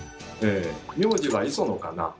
名字は磯野かな。